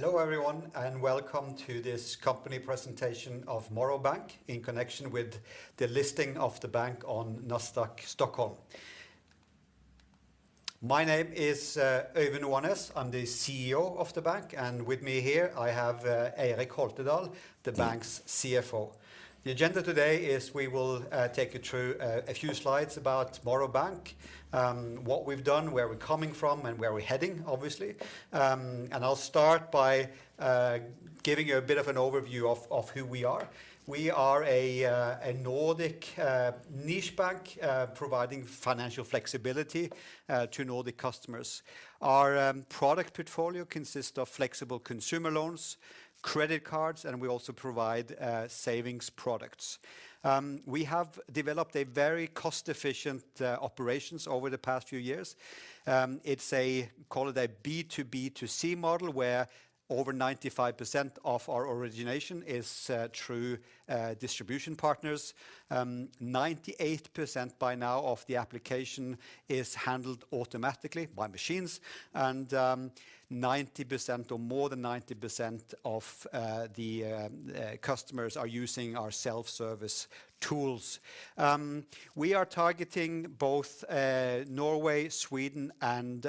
Hello everyone, and welcome to this company presentation of Morrow Bank in connection with the listing of the bank on Nasdaq Stockholm. My name is Øyvind Oanes, I'm the CEO of the bank, and with me here I have Eirik Holtedahl, the bank's CFO. The agenda today is we will take you through a few slides about Morrow Bank, what we've done, where we're coming from, and where we're heading, obviously. And I'll start by giving you a bit of an overview of who we are. We are a Nordic niche bank providing financial flexibility to Nordic customers. Our product portfolio consists of flexible consumer loans, credit cards, and we also provide savings products. We have developed a very cost-efficient operation over the past few years. It's a, call it a B2B2C model where over 95% of our origination is through distribution partners. 98% by now of the application is handled automatically by machines, and 90% or more than 90% of the customers are using our self-service tools. We are targeting both Norway, Sweden, and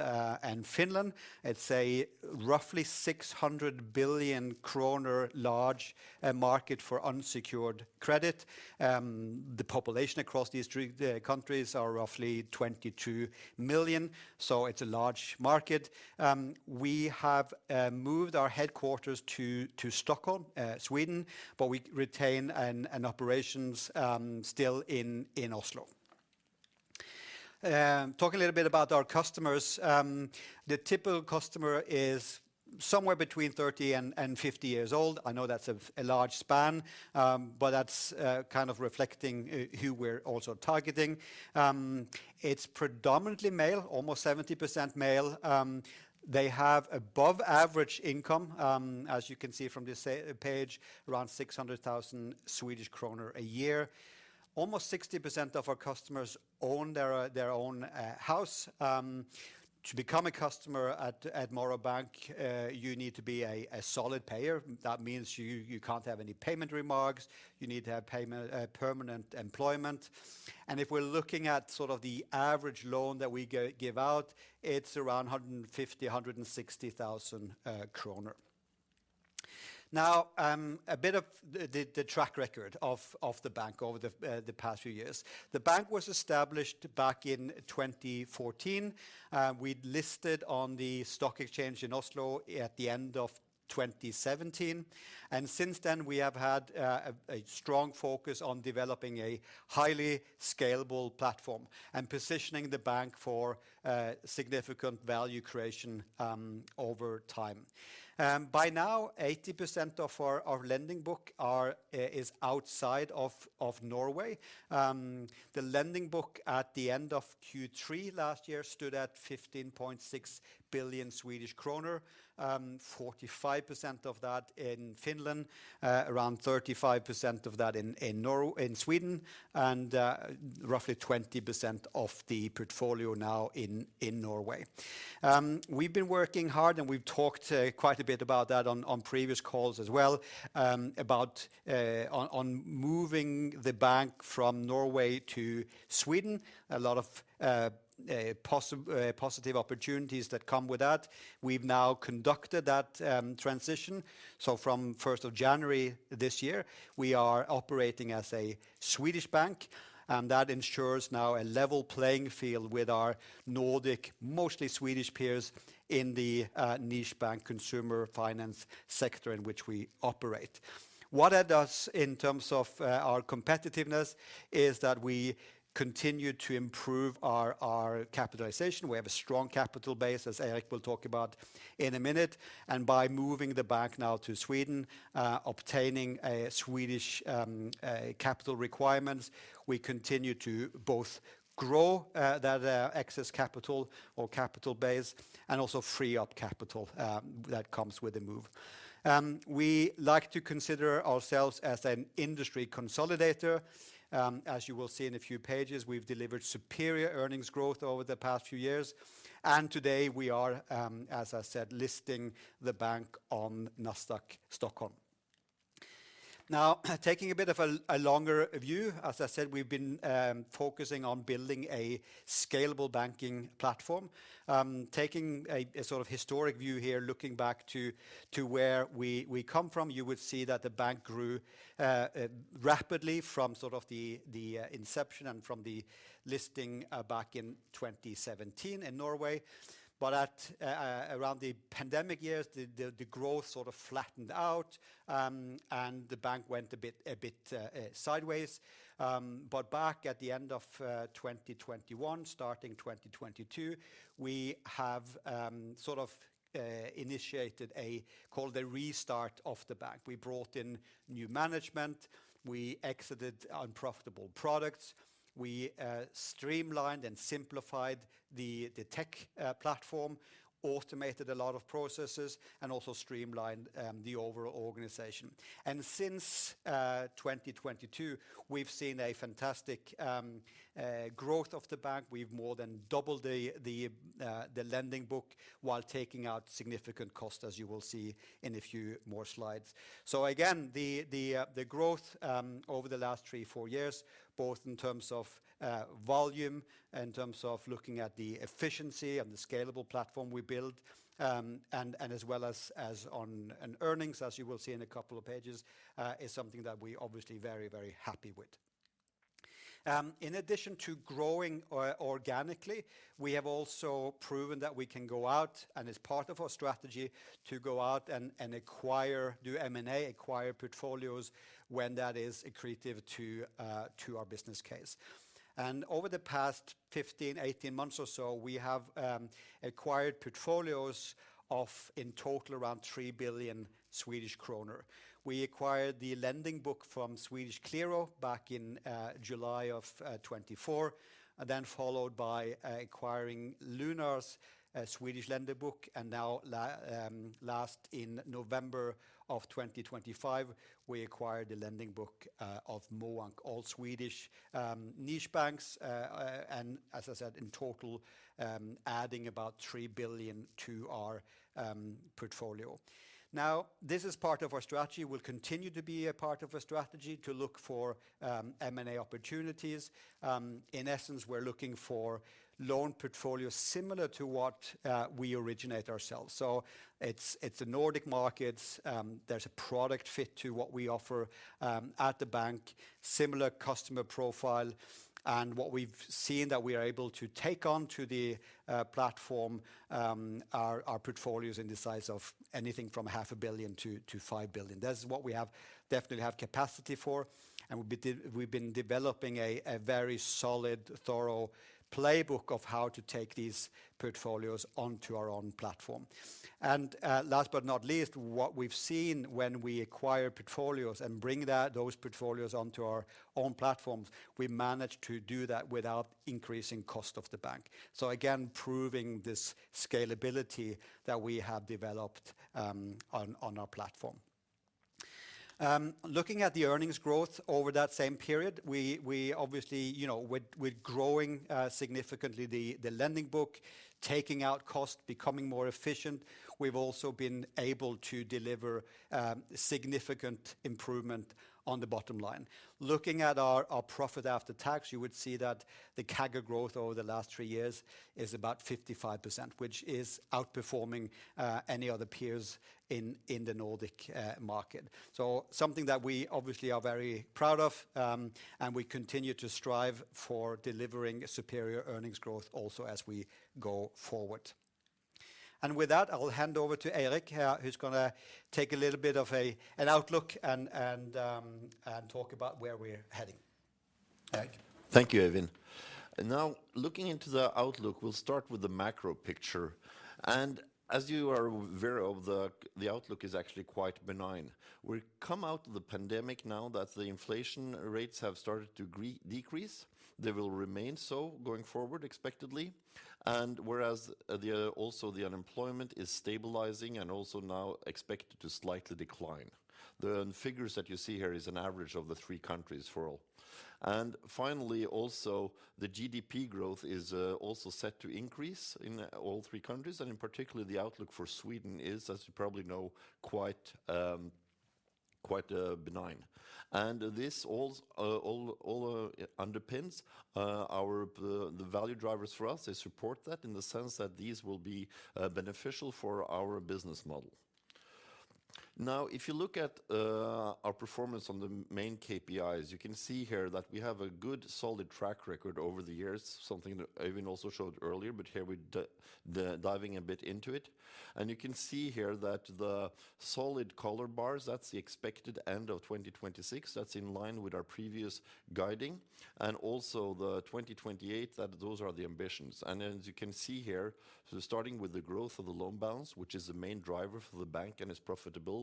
Finland. It's a roughly 600 billion kronor large market for unsecured credit. The population across these three countries is roughly 22 million, so it's a large market. We have moved our headquarters to Stockholm, Sweden, but we retain an operations still in Oslo. Talk a little bit about our customers. The typical customer is somewhere between 30 and 50 years old. I know that's a large span, but that's kind of reflecting who we're also targeting. It's predominantly male, almost 70% male. They have above-average income, as you can see from this page, around 600,000 Swedish kronor a year. Almost 60% of our customers own their own house. To become a customer at Morrow Bank, you need to be a solid payer. That means you can't have any payment remarks. You need to have permanent employment. If we're looking at sort of the average loan that we give out, it's around 150,000-160,000 kronor. Now, a bit of the track record of the bank over the past few years. The bank was established back in 2014. We'd listed on the stock exchange in Oslo at the end of 2017. Since then, we have had a strong focus on developing a highly scalable platform and positioning the bank for significant value creation over time. By now, 80% of our lending book is outside of Norway. The lending book at the end of Q3 last year stood at 15.6 billion Swedish kronor. 45% of that in Finland, around 35% of that in Sweden, and roughly 20% of the portfolio now in Norway. We've been working hard, and we've talked quite a bit about that on previous calls as well, about moving the bank from Norway to Sweden. A lot of positive opportunities that come with that. We've now conducted that transition. So from 1st of January this year, we are operating as a Swedish bank, and that ensures now a level playing field with our Nordic, mostly Swedish peers in the niche bank consumer finance sector in which we operate. What that does in terms of our competitiveness is that we continue to improve our capitalization. We have a strong capital base, as Eirik will talk about in a minute. And by moving the bank now to Sweden, obtaining Swedish capital requirements, we continue to both grow that excess capital or capital base and also free up capital that comes with the move. We like to consider ourselves as an industry consolidator. As you will see in a few pages, we've delivered superior earnings growth over the past few years. And today we are, as I said, listing the bank on Nasdaq Stockholm. Now, taking a bit of a longer view, as I said, we've been focusing on building a scalable banking platform. Taking a sort of historic view here, looking back to where we come from, you would see that the bank grew rapidly from sort of the inception and from the listing back in 2017 in Norway. But around the pandemic years, the growth sort of flattened out, and the bank went a bit sideways. But back at the end of 2021, starting 2022, we have sort of initiated a, call it a restart of the bank. We brought in new management. We exited unprofitable products. We streamlined and simplified the tech platform, automated a lot of processes, and also streamlined the overall organization. And since 2022, we've seen a fantastic growth of the bank. We've more than doubled the lending book while taking out significant costs, as you will see in a few more slides. So again, the growth over the last three, four years, both in terms of volume, in terms of looking at the efficiency and the scalable platform we build, and as well as on earnings, as you will see in a couple of pages, is something that we're obviously very, very happy with. In addition to growing organically, we have also proven that we can go out, and it's part of our strategy to go out and acquire, do M&A, acquire portfolios when that is accretive to our business case, and over the past 15-18 months or so, we have acquired portfolios of in total around 3 billion Swedish kronor. We acquired the lending book from Swedish Qliro back in July of 2024, then followed by acquiring Lunar's Swedish lending book, and now, last in November of 2025, we acquired the lending book of Moank, a Swedish niche bank. And as I said, in total adding about 3 billion to our portfolio. Now, this is part of our strategy. We'll continue to be a part of our strategy to look for M&A opportunities. In essence, we're looking for loan portfolios similar to what we originate ourselves, so it's the Nordic markets. There's a product fit to what we offer at the bank, similar customer profile. And what we've seen that we are able to take onto the platform are portfolios in the size of anything from 500 million to 5 billion. That's what we definitely have capacity for. And we've been developing a very solid, thorough playbook of how to take these portfolios onto our own platform. And last but not least, what we've seen when we acquire portfolios and bring those portfolios onto our own platforms, we managed to do that without increasing cost of the bank. So again, proving this scalability that we have developed on our platform. Looking at the earnings growth over that same period, we obviously were growing significantly the lending book, taking out costs, becoming more efficient. We've also been able to deliver significant improvement on the bottom line. Looking at our profit after tax, you would see that the CAGR growth over the last three years is about 55%, which is outperforming any other peers in the Nordic market. So something that we obviously are very proud of, and we continue to strive for delivering superior earnings growth also as we go forward, and with that, I'll hand over to Eirik, who's going to take a little bit of an outlook and talk about where we're heading. Thank you, Øyvind. Now, looking into the outlook, we'll start with the macro picture. And as you are aware of, the outlook is actually quite benign. We've come out of the pandemic now that the inflation rates have started to decrease. They will remain so going forward, expectedly. And whereas also the unemployment is stabilizing and also now expected to slightly decline. The figures that you see here are an average of the three countries for all. And finally, also the GDP growth is also set to increase in all three countries. And in particular, the outlook for Sweden is, as you probably know, quite benign. And this all underpins our value drivers for us. They support that in the sense that these will be beneficial for our business model. Now, if you look at our performance on the main KPIs, you can see here that we have a good solid track record over the years, something that Øyvind also showed earlier, but here we're diving a bit into it. And you can see here that the solid color bars, that's the expected end of 2026. That's in line with our previous guiding. And also the 2028, those are the ambitions. And as you can see here, starting with the growth of the loan balance, which is the main driver for the bank and its profitability,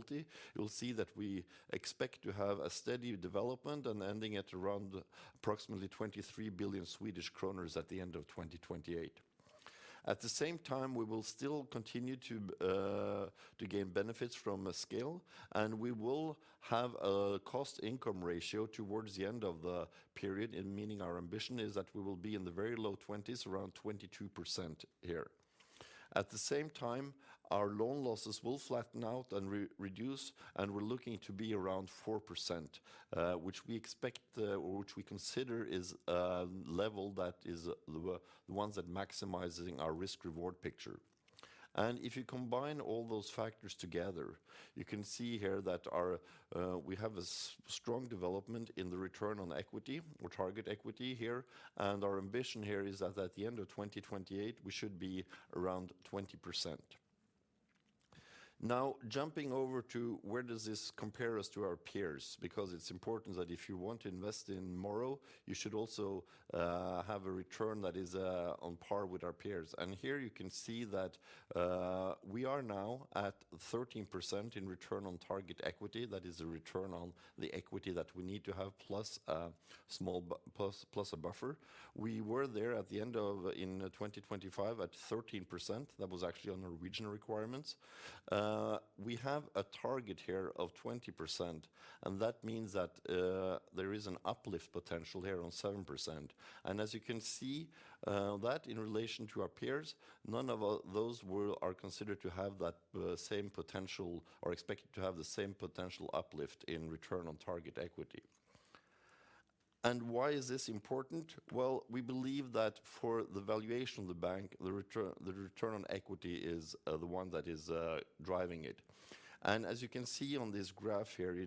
you'll see that we expect to have a steady development and ending at around approximately 23 billion Swedish kronor at the end of 2028. At the same time, we will still continue to gain benefits from a scale, and we will have a cost-income ratio towards the end of the period, meaning our ambition is that we will be in the very low 20s, around 22% here. At the same time, our loan losses will flatten out and reduce, and we're looking to be around 4%, which we expect, which we consider is a level that is the ones that maximizing our risk-reward picture. And if you combine all those factors together, you can see here that we have a strong development in the return on equity or target equity here. And our ambition here is that at the end of 2028, we should be around 20%. Now, jumping over to where does this compare us to our peers? Because it's important that if you want to invest in Morrow, you should also have a return that is on par with our peers. And here you can see that we are now at 13% in return on target equity. That is a return on the equity that we need to have plus a small plus a buffer. We were there at the end of 2025 at 13%. That was actually on our regulatory requirements. We have a target here of 20%, and that means that there is an uplift potential here on 7%. And as you can see, that in relation to our peers, none of those are considered to have that same potential or expected to have the same potential uplift in return on target equity. And why is this important? We believe that for the valuation of the bank, the return on equity is the one that is driving it. As you can see on this graph here,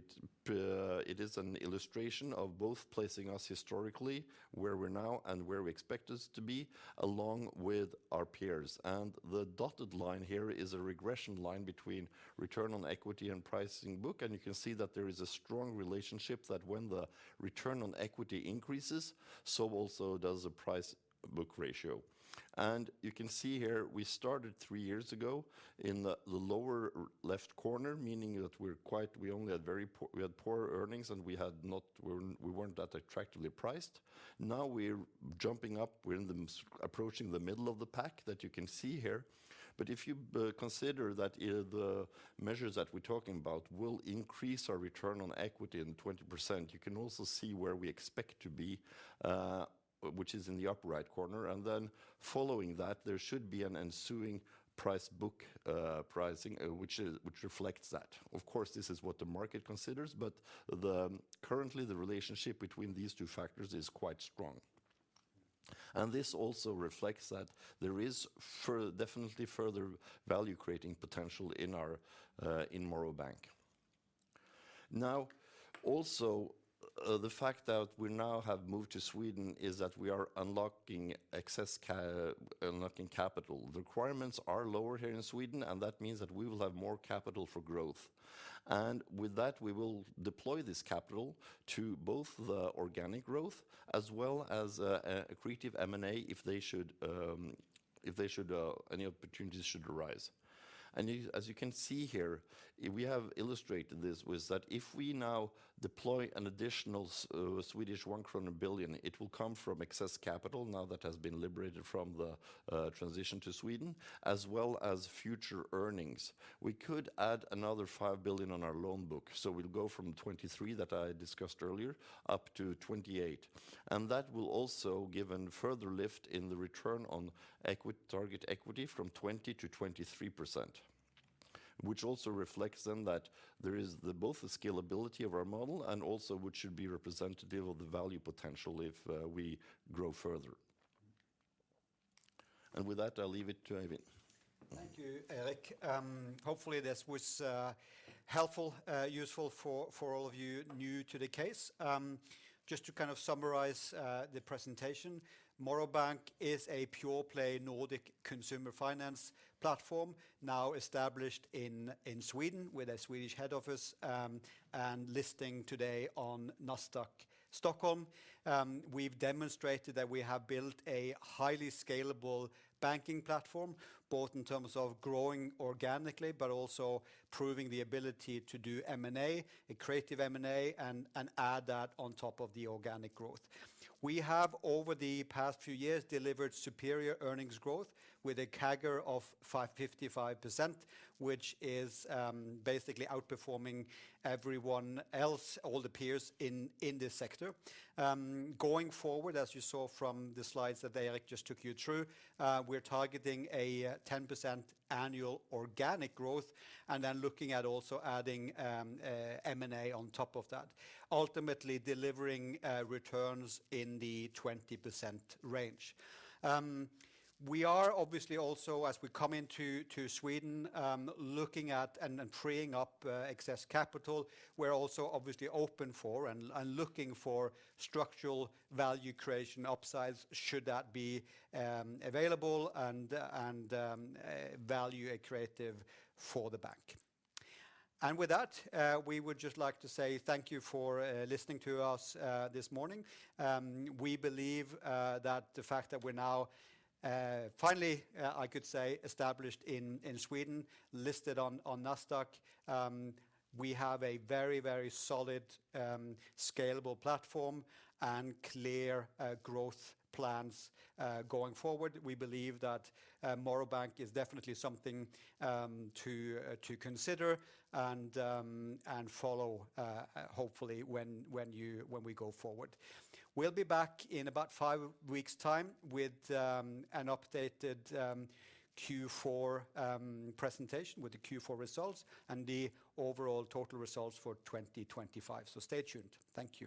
it is an illustration of both placing us historically, where we're now and where we expect us to be, along with our peers. The dotted line here is a regression line between return on equity and price-to-book. You can see that there is a strong relationship that when the return on equity increases, so also does the price-to-book ratio. You can see here, we started three years ago in the lower left corner, meaning that we're quite, we only had very poor earnings and we weren't that attractively priced. Now we're jumping up, we're approaching the middle of the pack that you can see here. But if you consider that the measures that we're talking about will increase our return on equity in 20%, you can also see where we expect to be, which is in the upper right corner. And then following that, there should be an ensuing price-to-book pricing, which reflects that. Of course, this is what the market considers, but currently the relationship between these two factors is quite strong. And this also reflects that there is definitely further value-creating potential in our Morrow Bank. Now, also the fact that we now have moved to Sweden is that we are unlocking excess capital. The requirements are lower here in Sweden, and that means that we will have more capital for growth. With that, we will deploy this capital to both the organic growth as well as accretive M&A if any opportunities should arise. As you can see here, we have illustrated this with that if we now deploy an additional 1 billion krona, it will come from excess capital now that has been liberated from the transition to Sweden, as well as future earnings. We could add another 5 billion to our loan book. We'll go from 23 billion that I discussed earlier up to 28 billion. That will also give a further lift in the return on target equity from 20%-23%, which also reflects then that there is both the scalability of our model and also, which should be representative of the value potential if we grow further. With that, I'll leave it to Øyvind. Thank you, Eirik. Hopefully this was helpful, useful for all of you new to the case. Just to kind of summarize the presentation, Morrow Bank is a pure play Nordic consumer finance platform now established in Sweden with a Swedish head office and listing today on Nasdaq Stockholm. We've demonstrated that we have built a highly scalable banking platform, both in terms of growing organically, but also proving the ability to do M&A, accretive M&A, and add that on top of the organic growth. We have over the past few years delivered superior earnings growth with a CAGR of 55%, which is basically outperforming everyone else, all the peers in this sector. Going forward, as you saw from the slides that Eirik just took you through, we're targeting a 10% annual organic growth and then looking at also adding M&A on top of that, ultimately delivering returns in the 20% range. We are obviously also, as we come into Sweden, looking at and freeing up excess capital. We're also obviously open for and looking for structural value creation upsides should that be available and value accretive for the bank. And with that, we would just like to say thank you for listening to us this morning. We believe that the fact that we're now finally, I could say, established in Sweden, listed on Nasdaq, we have a very, very solid scalable platform and clear growth plans going forward. We believe that Morrow Bank is definitely something to consider and follow hopefully when you, when we go forward. We'll be back in about five weeks' time with an updated Q4 presentation with the Q4 results and the overall total results for 2025. So stay tuned. Thank you.